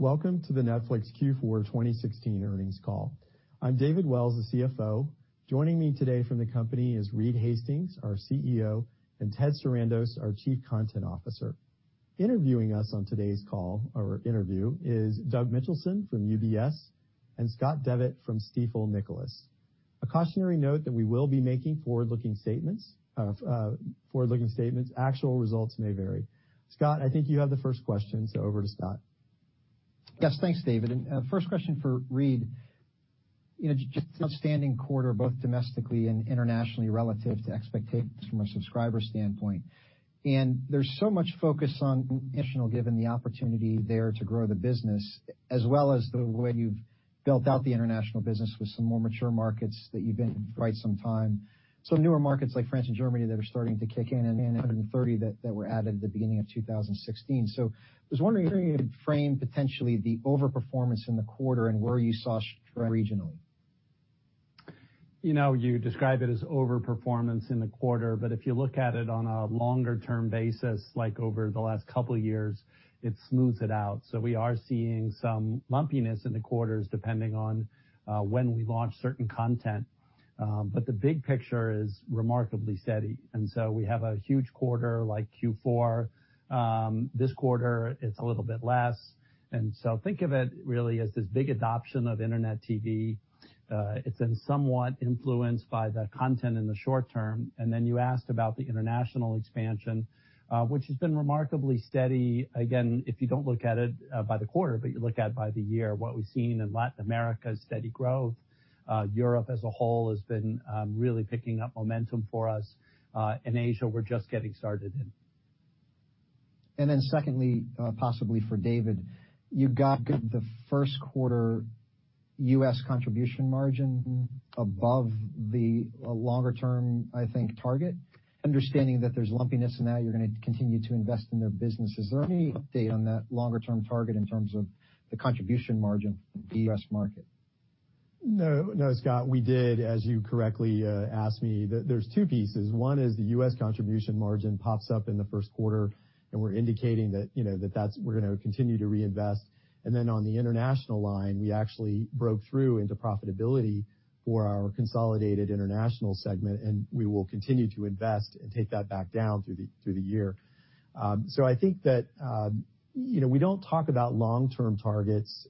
Welcome to the Netflix Q4 2016 earnings call. I'm David Wells, the CFO. Joining me today from the company is Reed Hastings, our CEO, and Ted Sarandos, our Chief Content Officer. Interviewing us on today's call, or interview, is Doug Mitchelson from UBS and Scott Devitt from Stifel Nicolaus. A cautionary note that we will be making forward-looking statements. Actual results may vary. Scott, I think you have the first question, so over to Scott. Yes, thanks, David. First question for Reed. Just an outstanding quarter, both domestically and internationally, relative to expectations from a subscriber standpoint. There's so much focus on international, given the opportunity there to grow the business, as well as the way you've built out the international business with some more mature markets that you've been in for quite some time. Some newer markets like France and Germany that are starting to kick in, and 130 that were added at the beginning of 2016. I was wondering if you could frame, potentially, the over-performance in the quarter and where you saw regionally. You describe it as over-performance in the quarter, but if you look at it on a longer-term basis, like over the last couple of years, it smooths it out. We are seeing some lumpiness in the quarters, depending on when we launch certain content. The big picture is remarkably steady, and so we have a huge quarter like Q4. This quarter, it's a little bit less. Think of it really as this big adoption of internet TV. It's been somewhat influenced by the content in the short term. You asked about the international expansion, which has been remarkably steady. Again, if you don't look at it by the quarter, but you look at it by the year, what we've seen in Latin America is steady growth. Europe as a whole has been really picking up momentum for us. In Asia, we're just getting started in. Secondly, possibly for David, you got the first quarter U.S. contribution margin above the longer-term, I think, target. Understanding that there's lumpiness in that, you're going to continue to invest in the business. Is there any update on that longer-term target in terms of the contribution margin for the U.S. market? No, Scott, we did, as you correctly asked me. There's two pieces. One is the U.S. contribution margin pops up in the first quarter, we're indicating that we're going to continue to reinvest. On the international line, we actually broke through into profitability for our consolidated international segment, we will continue to invest and take that back down through the year. I think that we don't talk about long-term targets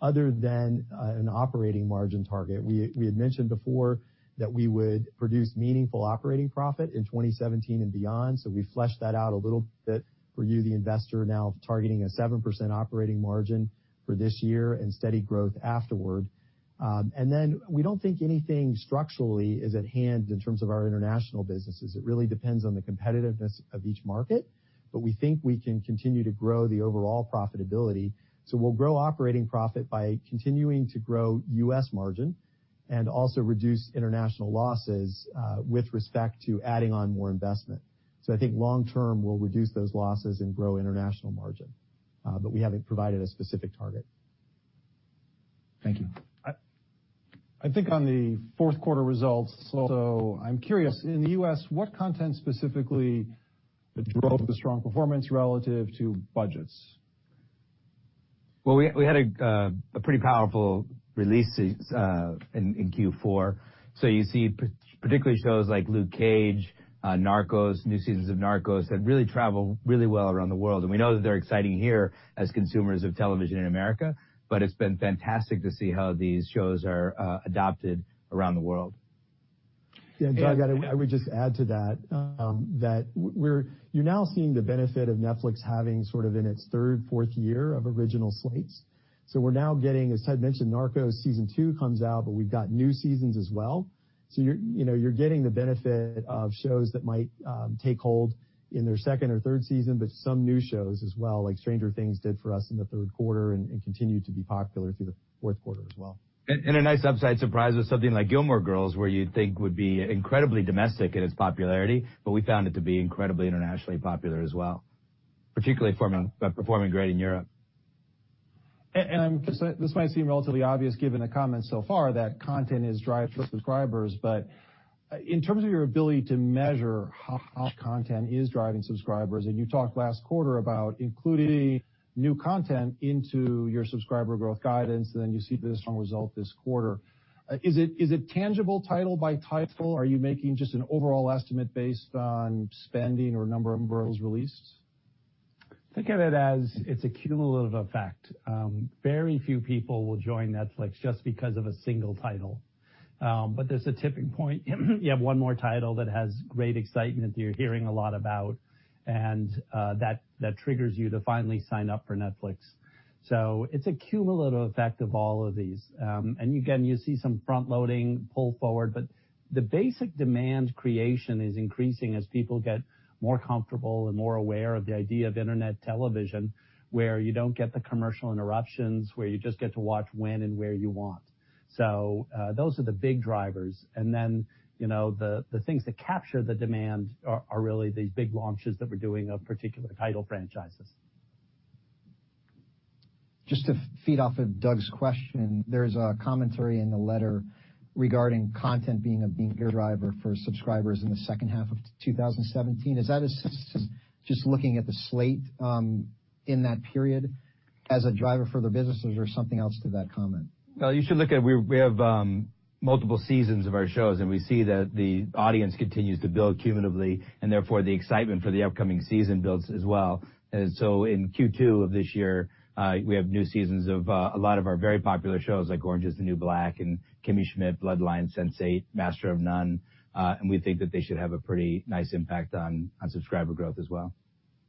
other than an operating margin target. We had mentioned before that we would produce meaningful operating profit in 2017 and beyond, we fleshed that out a little bit for you, the investor, now targeting a 7% operating margin for this year and steady growth afterward. We don't think anything structurally is at hand in terms of our international businesses. It really depends on the competitiveness of each market. We think we can continue to grow the overall profitability. We'll grow operating profit by continuing to grow U.S. margin and also reduce international losses with respect to adding on more investment. I think long term, we'll reduce those losses and grow international margin. We haven't provided a specific target. Thank you. I think on the fourth quarter results, also, I'm curious. In the U.S., what content specifically drove the strong performance relative to budgets? Well, we had a pretty powerful release in Q4. You see particularly shows like "Luke Cage," "Narcos," new seasons of "Narcos" that really travel really well around the world. We know that they're exciting here as consumers of television in America, it's been fantastic to see how these shows are adopted around the world. Yeah, Doug, I would just add to that you're now seeing the benefit of Netflix having sort of in its third, fourth year of original slates. We're now getting, as Ted mentioned, "Narcos" Season 2 comes out, we've got new seasons as well. You're getting the benefit of shows that might take hold in their second or third season, some new shows as well, like "Stranger Things" did for us in the third quarter and continued to be popular through the fourth quarter as well. A nice upside surprise was something like "Gilmore Girls" where you'd think would be incredibly domestic in its popularity, we found it to be incredibly internationally popular as well, particularly performing great in Europe. This might seem relatively obvious given the comments so far, that content is driving subscribers. In terms of your ability to measure how content is driving subscribers, and you talked last quarter about including new content into your subscriber growth guidance, then you see the strong result this quarter. Is it tangible title by title? Are you making just an overall estimate based on spending or number of releases? Think of it as it's a cumulative effect. Very few people will join Netflix just because of a single title. There's a tipping point. You have one more title that has great excitement that you're hearing a lot about, and that triggers you to finally sign up for Netflix. It's a cumulative effect of all of these. Again, you see some front-loading pull forward, but the basic demand creation is increasing as people get more comfortable and more aware of the idea of internet television, where you don't get the commercial interruptions, where you just get to watch when and where you want. Those are the big drivers. Then, the things that capture the demand are really these big launches that we're doing of particular title franchises. Just to feed off of Doug's question, there's a commentary in the letter regarding content being a bigger driver for subscribers in the second half of 2017. Is that just looking at the slate in that period as a driver for the businesses or something else to that comment? You should look at we have multiple seasons of our shows, and we see that the audience continues to build cumulatively, and therefore, the excitement for the upcoming season builds as well. In Q2 of this year, we have new seasons of a lot of our very popular shows like "Orange Is the New Black" and "Kimmy Schmidt," "Bloodline," "Sense8," "Master of None," and we think that they should have a pretty nice impact on subscriber growth as well.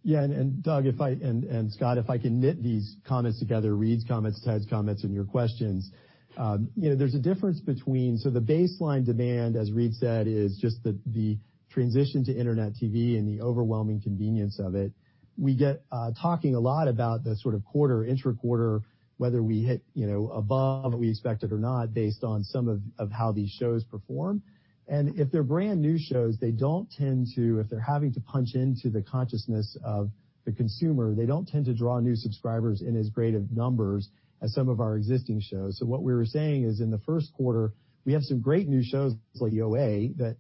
Yeah, Doug and Scott, if I can knit these comments together, Reed's comments, Ted's comments, and your questions. There's a difference. The baseline demand, as Reed said, is just the transition to internet TV and the overwhelming convenience of it. We get talking a lot about the sort of quarter, intra-quarter, whether we hit above what we expected or not based on some of how these shows perform. If they're brand-new shows, they don't tend, if they're having to punch into the consciousness of the consumer, they don't tend to draw new subscribers in as great of numbers as some of our existing shows. What we were saying is in the first quarter, we have some great new shows like "The OA" that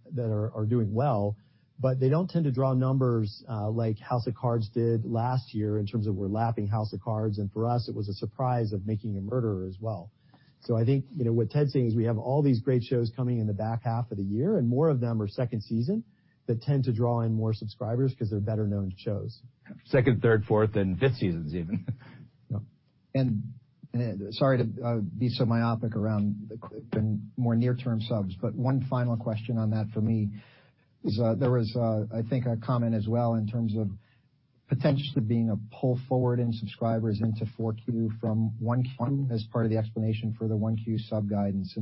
are doing well, but they don't tend to draw numbers like "House of Cards" did last year in terms of we're lapping "House of Cards," and for us, it was a surprise of "Making a Murderer" as well. I think, what Ted's saying is we have all these great shows coming in the back half of the year, and more of them are second season that tend to draw in more subscribers because they're better-known shows. Second, third, fourth, and fifth seasons even. Yeah. Sorry to be so myopic around the more near-term subs, one final question on that for me is, there was I think a comment as well in terms of potentially being a pull forward in subscribers into 4Q from 1Q as part of the explanation for the 1Q sub-guidance.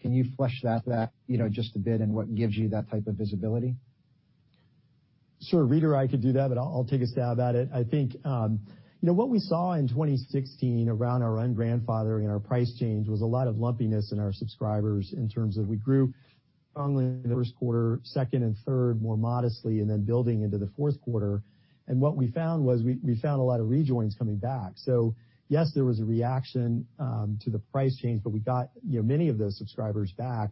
Can you flesh that out just a bit, what gives you that type of visibility? Sure. Reed or I could do that, but I'll take a stab at it. I think what we saw in 2016 around our un-grandfathered and our price change was a lot of lumpiness in our subscribers in terms of we grew strongly in the first quarter, second and third more modestly, then building into the fourth quarter. What we found was we found a lot of rejoins coming back. Yes, there was a reaction to the price change, but we got many of those subscribers back.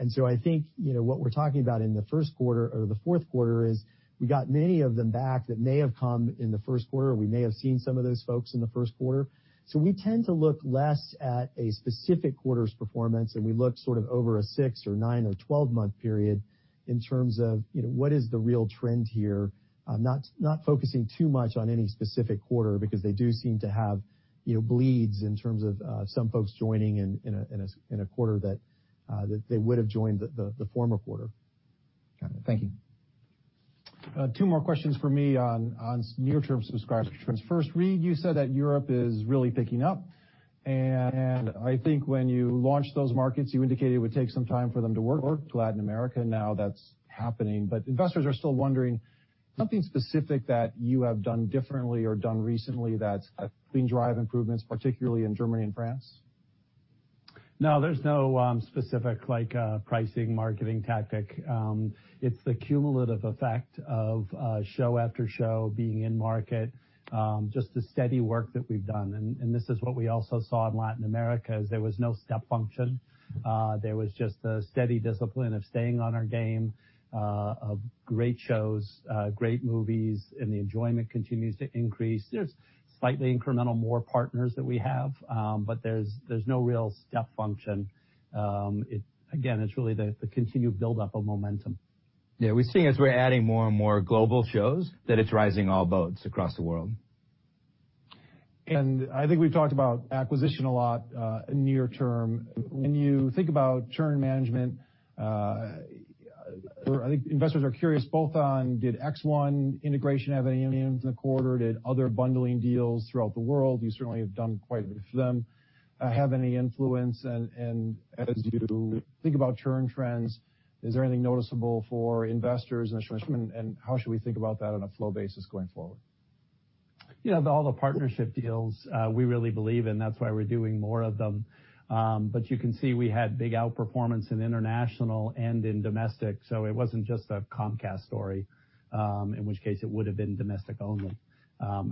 I think, what we're talking about in the first quarter or the fourth quarter is we got many of them back that may have come in the first quarter, or we may have seen some of those folks in the first quarter. We tend to look less at a specific quarter's performance, we look sort of over a 6 or 9 or 12-month period in terms of what is the real trend here. Not focusing too much on any specific quarter because they do seem to have bleeds in terms of some folks joining in a quarter that they would've joined the former quarter. Got it. Thank you. Two more questions from me on near-term subscriber trends. First, Reed, you said that Europe is really picking up, I think when you launched those markets, you indicated it would take some time for them to work. Latin America, now that's happening, investors are still wondering something specific that you have done differently or done recently that's been driving improvements, particularly in Germany and France? No, there's no specific pricing, marketing tactic. It's the cumulative effect of show after show being in market, just the steady work that we've done. This is what we also saw in Latin America, is there was no step function. There was just a steady discipline of staying on our game of great shows, great movies, and the enjoyment continues to increase. There's slightly incremental more partners that we have, but there's no real step function. Again, it's really the continued buildup of momentum. Yeah, we're seeing as we're adding more and more global shows, that it's rising all boats across the world. I think we've talked about acquisition a lot near term. When you think about churn management, I think investors are curious both on did X1 integration have any influence in the quarter? Did other bundling deals throughout the world, you certainly have done quite a bit of them, have any influence? As you think about churn trends, is there anything noticeable for investors and how should we think about that on a flow basis going forward? Yeah, all the partnership deals we really believe in. That's why we're doing more of them. You can see we had big outperformance in international and in domestic, so it wasn't just a Comcast story, in which case it would've been domestic only.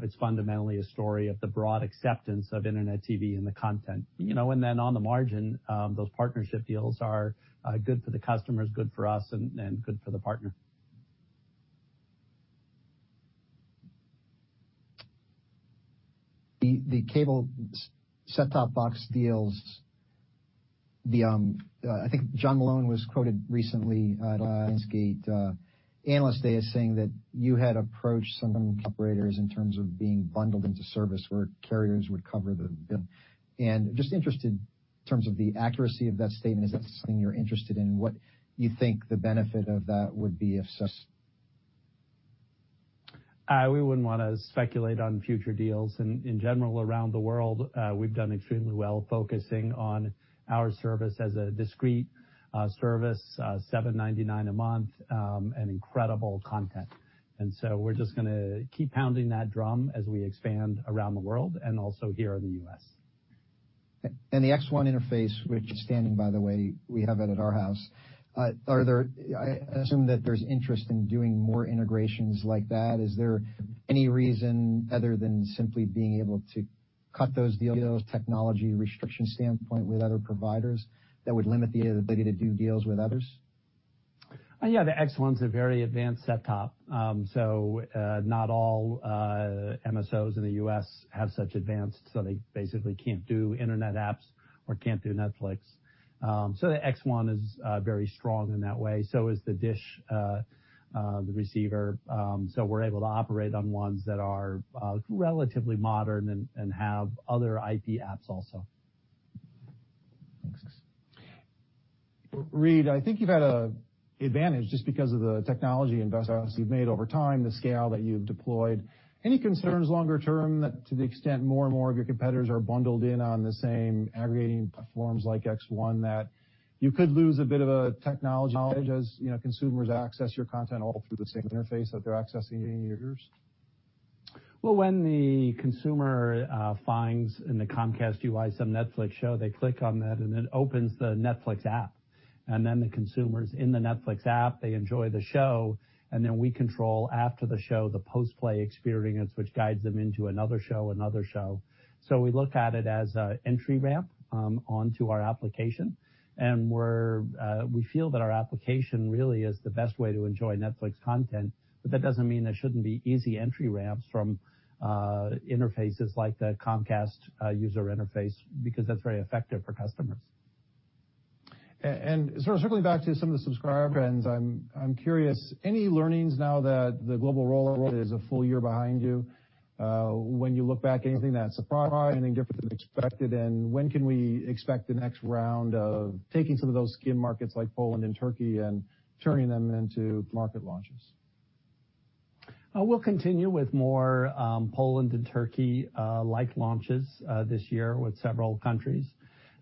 It's fundamentally a story of the broad acceptance of Internet TV and the content. Then on the margin, those partnership deals are good for the customers, good for us and good for the partner. The cable set-top box deals, I think John Malone was quoted recently at Lionsgate Analyst Day as saying that you had approached some operators in terms of being bundled into service where carriers would cover the bill. Just interested in terms of the accuracy of that statement. Is that something you're interested in, and what you think the benefit of that would be if so? We wouldn't want to speculate on future deals. In general, around the world, we've done extremely well focusing on our service as a discrete service, $7.99 a month, and incredible content. We're just going to keep pounding that drum as we expand around the world and also here in the U.S. The X1 interface, which is standing by the way, we have it at our house. I assume that there's interest in doing more integrations like that. Is there any reason other than simply being able to cut those deals, technology restriction standpoint with other providers that would limit the ability to do deals with others? Yeah, the X1's a very advanced set-top. Not all MSOs in the U.S. have such advanced, so they basically can't do internet apps or can't do Netflix. The X1 is very strong in that way. So is the Dish receiver. We're able to operate on ones that are relatively modern and have other IP apps also. Thanks. Reed, I think you've had an advantage just because of the technology investments you've made over time, the scale that you've deployed. Any concerns longer term that to the extent more and more of your competitors are bundled in on the same aggregating platforms like X1, that you could lose a bit of a technology edge as consumers access your content all through the same interface that they're accessing yours? Well, when the consumer finds in the Comcast UI some Netflix show, they click on that, it opens the Netflix app. The consumer's in the Netflix app, they enjoy the show, then we control after the show the post-play experience, which guides them into another show. We look at it as an entry ramp onto our application. We feel that our application really is the best way to enjoy Netflix content. That doesn't mean there shouldn't be easy entry ramps from interfaces like the Comcast user interface, because that's very effective for customers. Circling back to some of the subscriber trends, I'm curious, any learnings now that the global rollout is a full year behind you? When you look back, anything that surprised, anything different than expected, when can we expect the next round of taking some of those thin markets like Poland and Turkey and turning them into market launches? We'll continue with more Poland and Turkey-like launches this year with several countries.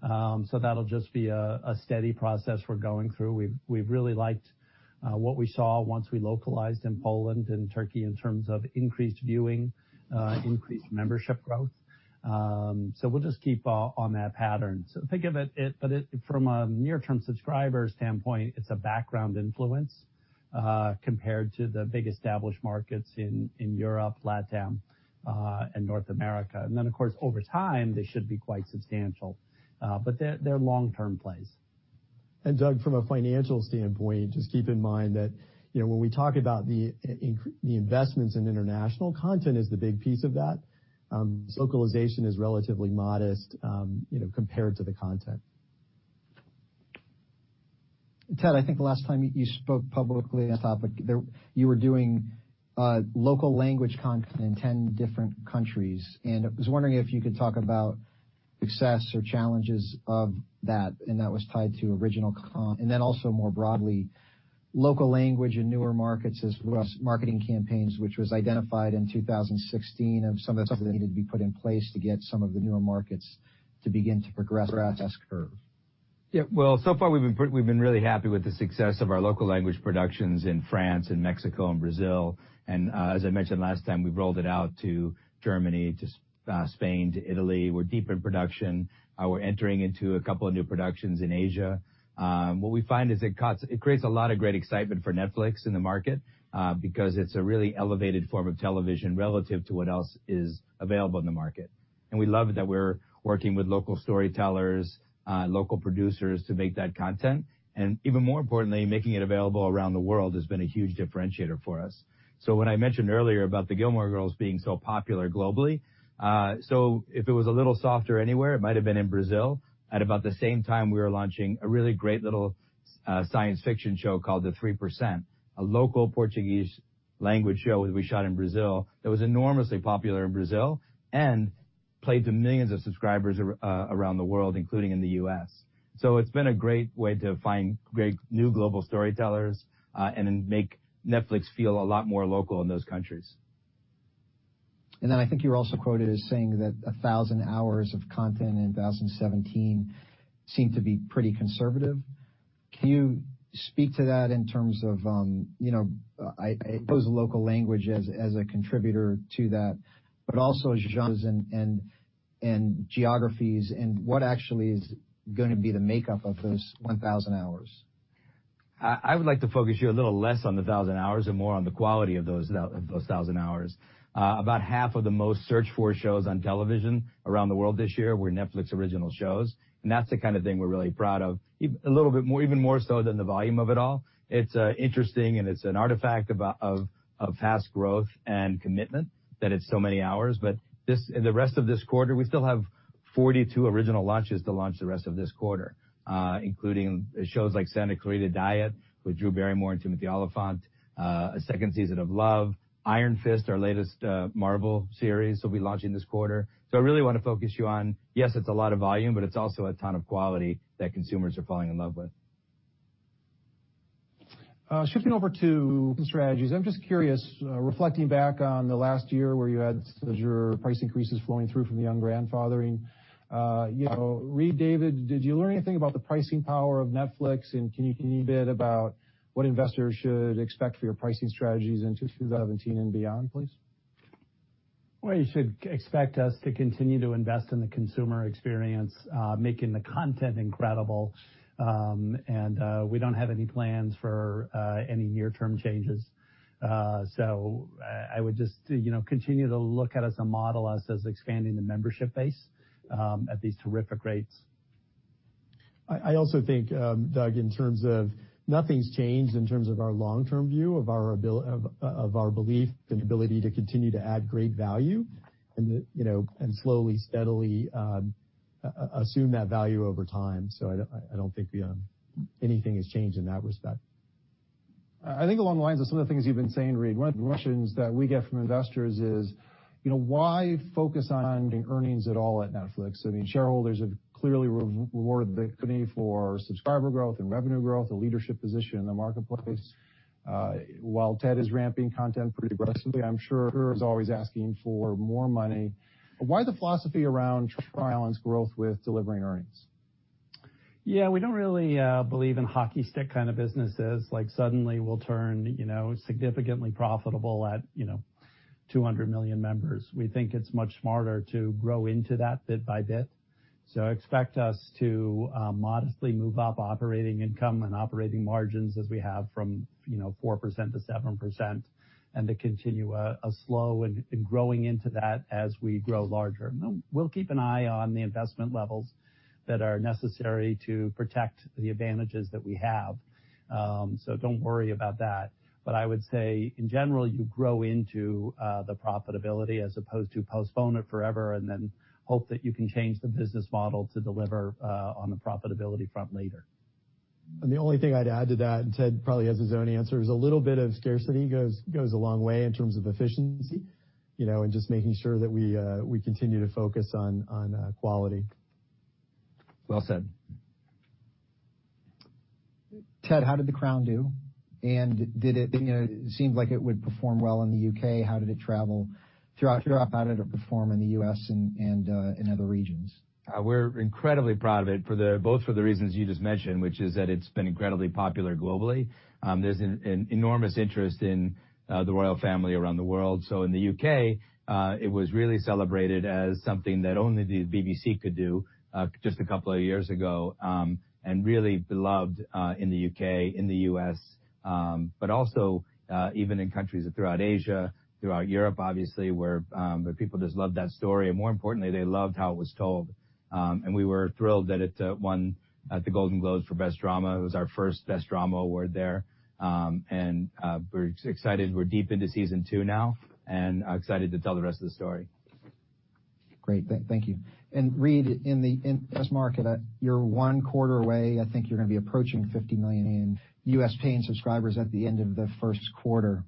That'll just be a steady process we're going through. We've really liked what we saw once we localized in Poland and Turkey in terms of increased viewing, increased membership growth. We'll just keep on that pattern. Think of it from a near-term subscriber standpoint, it's a background influence compared to the big established markets in Europe, LatAm, and North America. Of course, over time, they should be quite substantial. They're long-term plays. Doug, from a financial standpoint, just keep in mind that when we talk about the investments in international, content is the big piece of that. Localization is relatively modest compared to the content. Ted, I think the last time you spoke publicly on this topic, you were doing local language content in 10 different countries, and I was wondering if you could talk about success or challenges of that, and that was tied to original content. Also more broadly, local language in newer markets as well as marketing campaigns, which was identified in 2016 of some of the stuff that needed to be put in place to get some of the newer markets to begin to progress up the S-curve. Well, so far we've been really happy with the success of our local language productions in France and Mexico and Brazil. As I mentioned last time, we've rolled it out to Germany, to Spain, to Italy. We're deep in production. We're entering into a couple of new productions in Asia. What we find is it creates a lot of great excitement for Netflix in the market, because it's a really elevated form of television relative to what else is available in the market. We love that we're working with local storytellers, local producers to make that content. Even more importantly, making it available around the world has been a huge differentiator for us. When I mentioned earlier about the "Gilmore Girls" being so popular globally, if it was a little softer anywhere, it might've been in Brazil. At about the same time we were launching a really great little science fiction show called the "3%" a local Portuguese language show that we shot in Brazil that was enormously popular in Brazil and played to millions of subscribers around the world, including in the U.S. It's been a great way to find great new global storytellers, and then make Netflix feel a lot more local in those countries. I think you were also quoted as saying that 1,000 hours of content in 2017 seemed to be pretty conservative. Can you speak to that in terms of, I suppose local language as a contributor to that, but also genres and geographies and what actually is going to be the makeup of those 1,000 hours? I would like to focus you a little less on the 1,000 hours and more on the quality of those 1,000 hours. About half of the most searched-for shows on television around the world this year were Netflix original shows, and that's the kind of thing we're really proud of. Even more so than the volume of it all. It's interesting, and it's an artifact of fast growth and commitment that it's so many hours, but in the rest of this quarter, we still have 42 original launches to launch the rest of this quarter, including shows like "Santa Clarita Diet" with Drew Barrymore and Timothy Olyphant, a second season of "Love," "Iron Fist," our latest Marvel series will be launching this quarter. I really want to focus you on, yes, it's a lot of volume, but it's also a ton of quality that consumers are falling in love with. Shifting over to strategies, I'm just curious, reflecting back on the last year where you had your price increases flowing through from the young grandfathering, Reed, David, did you learn anything about the pricing power of Netflix, and can you give me a bit about what investors should expect for your pricing strategies into 2017 and beyond, please? Well, you should expect us to continue to invest in the consumer experience, making the content incredible. We don't have any plans for any near-term changes. I would just continue to look at us and model us as expanding the membership base at these terrific rates. I also think, Doug, nothing's changed in terms of our long-term view of our belief and ability to continue to add great value, and slowly, steadily assume that value over time. I don't think anything has changed in that respect. I think along the lines of some of the things you've been saying, Reed, one of the questions that we get from investors is, why focus on earnings at all at Netflix? Shareholders have clearly rewarded the company for subscriber growth and revenue growth, a leadership position in the marketplace. While Ted is ramping content pretty aggressively, I'm sure he's always asking for more money. Why the philosophy around trying to balance growth with delivering earnings? Yeah, we don't really believe in hockey stick kind of businesses, like suddenly we'll turn significantly profitable at 200 million members. We think it's much smarter to grow into that bit by bit. Expect us to modestly move up operating income and operating margins as we have from 4% to 7% and to continue a slow and growing into that as we grow larger. We'll keep an eye on the investment levels that are necessary to protect the advantages that we have. Don't worry about that. I would say, in general, you grow into the profitability as opposed to postpone it forever and then hope that you can change the business model to deliver on the profitability front later. The only thing I'd add to that, Ted probably has his own answer, is a little bit of scarcity goes a long way in terms of efficiency, and just making sure that we continue to focus on quality. Well said. Ted, how did "The Crown" do? It seemed like it would perform well in the U.K. How did it travel throughout Europe? How did it perform in the U.S. and in other regions? We're incredibly proud of it both for the reasons you just mentioned, which is that it's been incredibly popular globally. There's an enormous interest in the royal family around the world. In the U.K., it was really celebrated as something that only the BBC could do just a couple of years ago, and really beloved in the U.K., in the U.S., but also even in countries throughout Asia, throughout Europe, obviously, where people just loved that story. More importantly, they loved how it was told. We were thrilled that it won at the Golden Globes for Best Drama. It was our first Best Drama award there. We're excited. We're deep into season two now and excited to tell the rest of the story. Great. Thank you. Reed, in the U.S. market, you're one quarter away. I think you're going to be approaching 50 million in U.S. paying subscribers at the end of the first quarter.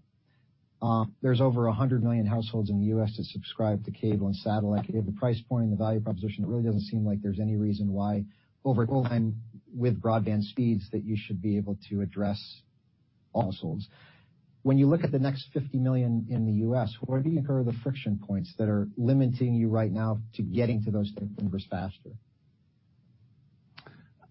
There's over 100 million households in the U.S. that subscribe to cable and satellite. Given the price point and the value proposition, it really doesn't seem like there's any reason why over time with broadband speeds that you should be able to address all households. When you look at the next 50 million in the U.S., where do you hear are the friction points that are limiting you right now to getting to those numbers faster?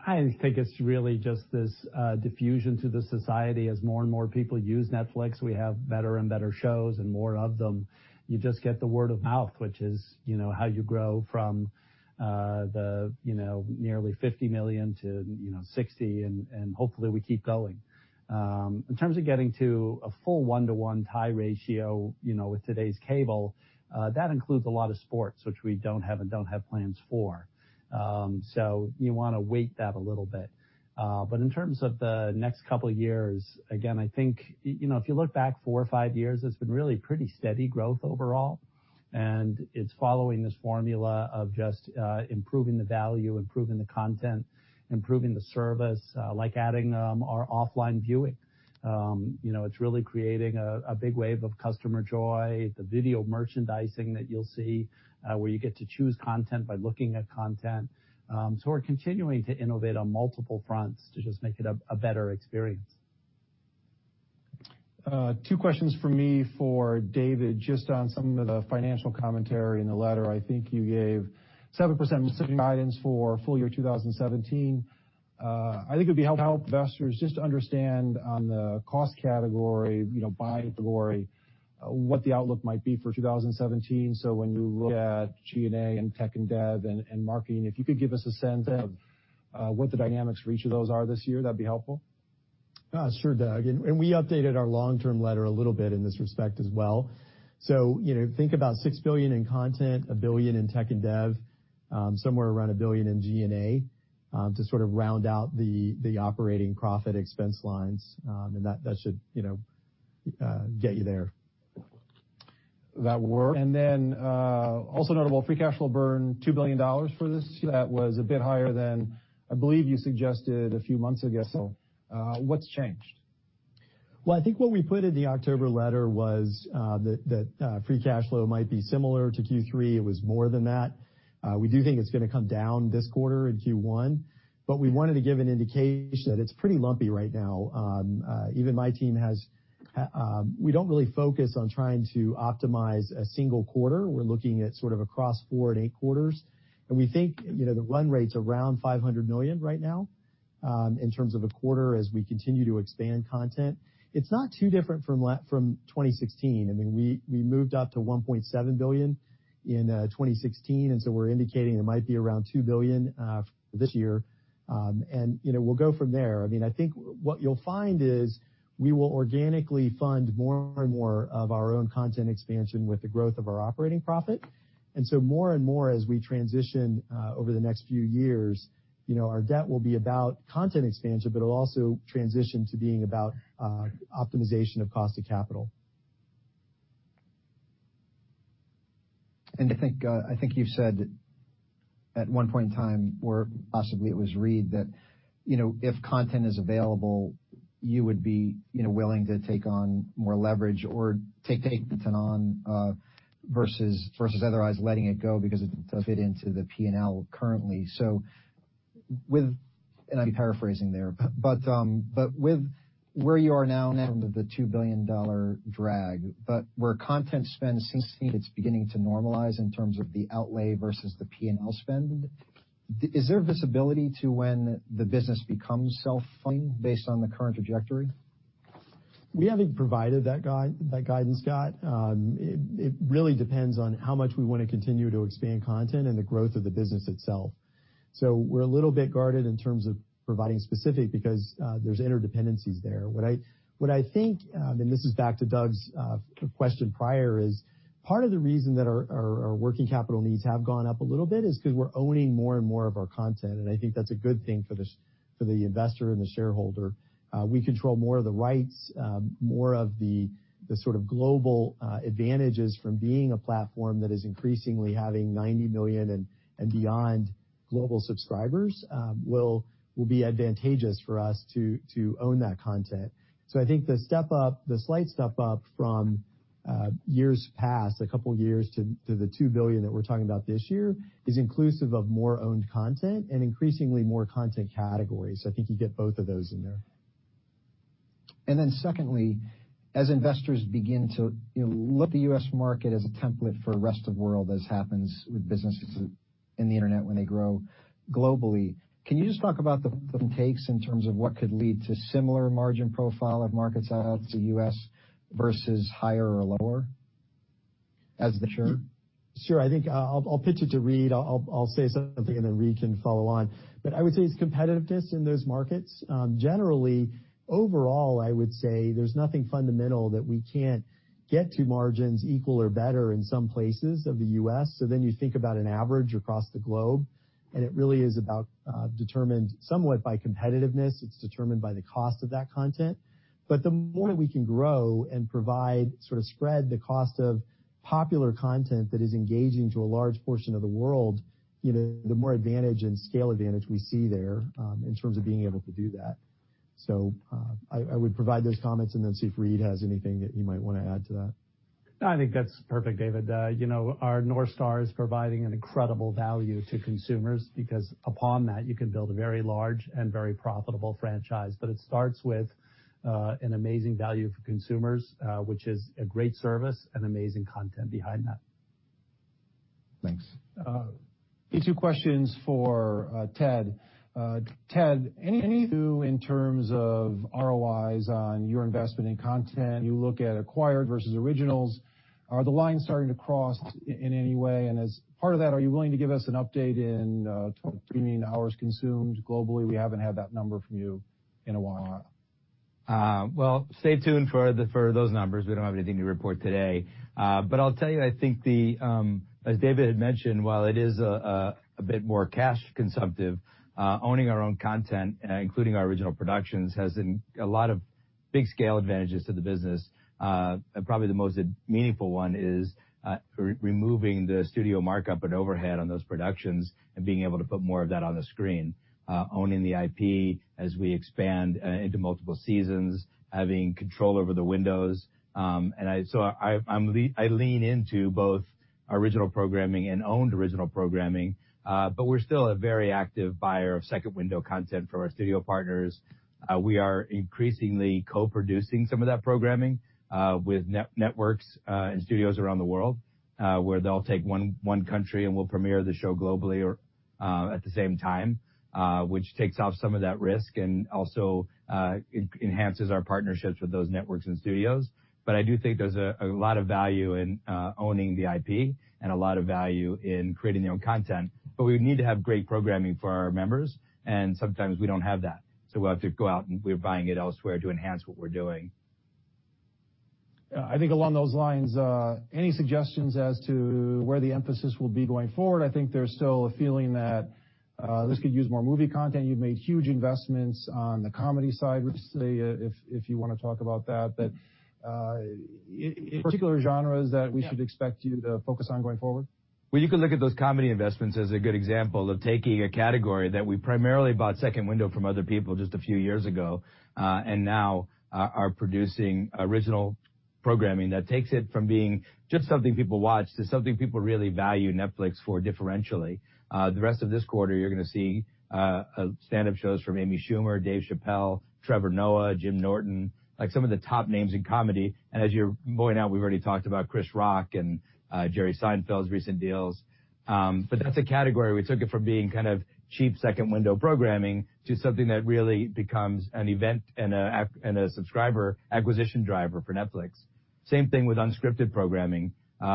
I think it's really just this diffusion to the society. As more and more people use Netflix, we have better and better shows and more of them. You just get the word of mouth, which is how you grow from the nearly 50 million to 60, and hopefully we keep going. In terms of getting to a full one-to-one tie ratio with today's cable, that includes a lot of sports, which we don't have and don't have plans for. You want to weight that a little bit. In terms of the next couple of years, again, I think if you look back four or five years, it's been really pretty steady growth overall, and it's following this formula of just improving the value, improving the content, improving the service, like adding our offline viewing. It's really creating a big wave of customer joy, the video merchandising that you'll see where you get to choose content by looking at content. We're continuing to innovate on multiple fronts to just make it a better experience. Two questions from me for David, just on some of the financial commentary in the letter. I think you gave 7% specific guidance for full year 2017. I think it'd be helpful to investors just to understand on the cost category, by category, what the outlook might be for 2017. When you look at G&A and tech and dev and marketing, if you could give us a sense of what the dynamics for each of those are this year, that'd be helpful. Sure, Doug. We updated our long-term letter a little bit in this respect as well. Think about $6 billion in content, $1 billion in tech and dev, somewhere around $1 billion in G&A to sort of round out the operating profit expense lines, and that should get you there. Also notable, free cash flow burn, $2 billion for this. That was a bit higher than I believe you suggested a few months ago. What's changed? I think what we put in the October letter was that free cash flow might be similar to Q3. It was more than that. We do think it's going to come down this quarter in Q1. We wanted to give an indication that it's pretty lumpy right now. Even my team. We don't really focus on trying to optimize a single quarter. We're looking at sort of across four and eight quarters, and we think the run rate's around $500 million right now in terms of a quarter as we continue to expand content. It's not too different from 2016. We moved up to $1.7 billion in 2016. We're indicating it might be around $2 billion for this year. We'll go from there. I think what you'll find is we will organically fund more and more of our own content expansion with the growth of our operating profit. More and more as we transition over the next few years, our debt will be about content expansion, but it'll also transition to being about optimization of cost of capital. I think you said at one point in time, or possibly it was Reed, that if content is available, you would be willing to take on more leverage or take the content on versus otherwise letting it go because it doesn't fit into the P&L currently. With, and I'm paraphrasing there, with where you are now in terms of the $2 billion drag, where content spend seems it's beginning to normalize in terms of the outlay versus the P&L spend, is there visibility to when the business becomes self-funding based on the current trajectory? We haven't provided that guidance, Scott. It really depends on how much we want to continue to expand content and the growth of the business itself. We're a little bit guarded in terms of providing specific because there's interdependencies there. What I think, and this is back to Doug's question prior, is part of the reason that our working capital needs have gone up a little bit is because we're owning more and more of our content, and I think that's a good thing for the investor and the shareholder. We control more of the rights, more of the sort of global advantages from being a platform that is increasingly having 90 million and beyond global subscribers will be advantageous for us to own that content. I think the slight step up from years past, a couple of years to the $2 billion that we're talking about this year, is inclusive of more owned content and increasingly more content categories. I think you get both of those in there. Secondly, as investors begin to look at the U.S. market as a template for rest of world as happens with businesses in the internet when they grow globally, can you just talk about the takes in terms of what could lead to similar margin profile of markets outside the U.S. versus higher or lower as the future? Sure. I think I'll pitch it to Reed. I'll say something, and then Reed can follow on. I would say it's competitiveness in those markets. Generally, overall, I would say there's nothing fundamental that we can't get to margins equal or better in some places of the U.S. You think about an average across the globe, and it really is about determined somewhat by competitiveness. It's determined by the cost of that content. The more we can grow and provide sort of spread the cost of popular content that is engaging to a large portion of the world, the more advantage and scale advantage we see there in terms of being able to do that. I would provide those comments and then see if Reed has anything that you might want to add to that. No, I think that's perfect, David. Our North Star is providing an incredible value to consumers because upon that, you can build a very large and very profitable franchise. It starts with an amazing value for consumers, which is a great service and amazing content behind that. Thanks. These two questions for Ted. Ted, any in terms of ROIs on your investment in content, you look at acquired versus originals, are the lines starting to cross in any way? As part of that, are you willing to give us an update in terms of streaming hours consumed globally? We haven't had that number from you in a while. Well, stay tuned for those numbers. We don't have anything to report today. I'll tell you, I think as David had mentioned, while it is a bit more cash-consumptive, owning our own content, including our original productions, has a lot of big scale advantages to the business. Probably the most meaningful one is removing the studio markup and overhead on those productions and being able to put more of that on the screen. Owning the IP as we expand into multiple seasons, having control over the windows. I lean into both original programming and owned original programming, but we're still a very active buyer of second window content from our studio partners. We are increasingly co-producing some of that programming with networks and studios around the world, where they'll take one country, and we'll premiere the show globally or at the same time, which takes off some of that risk and also enhances our partnerships with those networks and studios. I do think there's a lot of value in owning the IP and a lot of value in creating your own content. We need to have great programming for our members, and sometimes we don't have that, so we have to go out, and we're buying it elsewhere to enhance what we're doing. I think along those lines, any suggestions as to where the emphasis will be going forward? I think there's still a feeling that this could use more movie content. You've made huge investments on the comedy side recently, if you want to talk about that particular genres that we should expect you to focus on going forward. Well, you can look at those comedy investments as a good example of taking a category that we primarily bought second window from other people just a few years ago and now are producing original programming that takes it from being just something people watch to something people really value Netflix for differentially. The rest of this quarter, you're going to see stand-up shows from Amy Schumer, Dave Chappelle, Trevor Noah, Jim Norton, like some of the top names in comedy. As you're pointing out, we've already talked about Chris Rock and Jerry Seinfeld's recent deals. That's a category we took it from being kind of cheap second-window programming to something that really becomes an event and a subscriber acquisition driver for Netflix. Same thing with unscripted programming,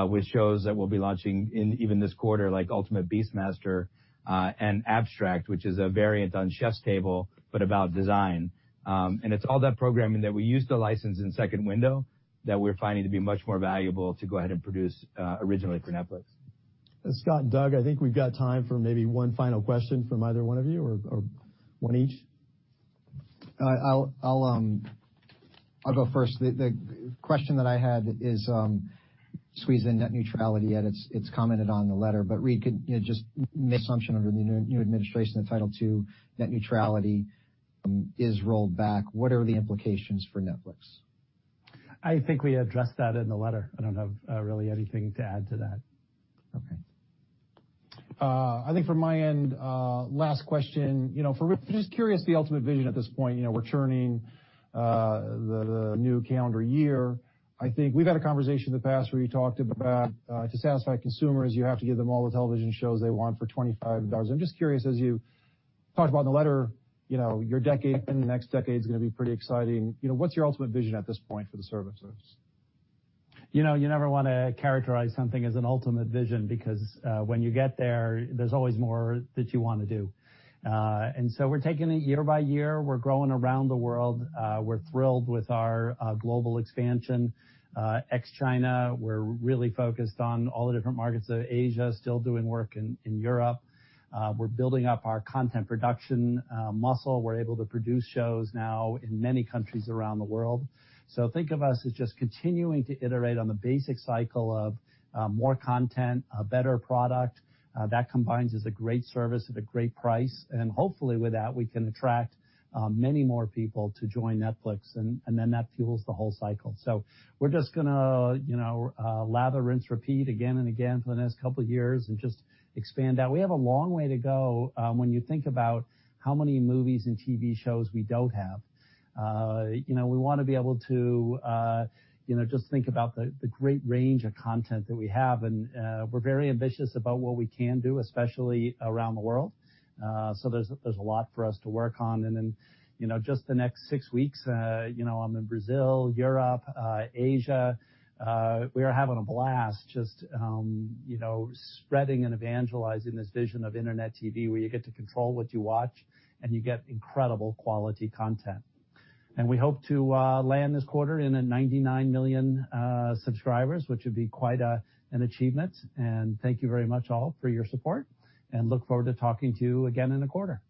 with shows that we'll be launching in even this quarter, like "Ultimate Beastmaster" and "Abstract," which is a variant on "Chef's Table," but about design. It's all that programming that we used to license in second window that we're finding to be much more valuable to go ahead and produce originally for Netflix. Scott and Doug, I think we've got time for maybe one final question from either one of you or one each. I'll go first. The question that I had is, squeeze in net neutrality, and it's commented on in the letter, but Reed, could you just make an assumption under the new administration that Title II net neutrality is rolled back, what are the implications for Netflix? I think we addressed that in the letter. I don't have really anything to add to that. Okay. I think from my end, last question. Just curious, the ultimate vision at this point. We're churning the new calendar year. I think we've had a conversation in the past where you talked about to satisfy consumers, you have to give them all the television shows they want for $25. I'm just curious, as you talked about in the letter, your decade and the next decade's going to be pretty exciting. What's your ultimate vision at this point for the service? You never want to characterize something as an ultimate vision because when you get there's always more that you want to do. We're taking it year by year. We're growing around the world. We're thrilled with our global expansion. Ex-China, we're really focused on all the different markets of Asia, still doing work in Europe. We're building up our content production muscle. We're able to produce shows now in many countries around the world. Think of us as just continuing to iterate on the basic cycle of more content, a better product. That combines as a great service at a great price. Hopefully with that, we can attract many more people to join Netflix, and then that fuels the whole cycle. We're just going to lather, rinse, repeat again and again for the next couple of years and just expand out. We have a long way to go when you think about how many movies and TV shows we don't have. We want to be able to just think about the great range of content that we have. We're very ambitious about what we can do, especially around the world. There's a lot for us to work on. Just the next 6 weeks, I'm in Brazil, Europe, Asia. We are having a blast just spreading and evangelizing this vision of internet TV where you get to control what you watch and you get incredible quality content. We hope to land this quarter in at 99 million subscribers, which would be quite an achievement. Thank you very much all for your support and look forward to talking to you again in a quarter.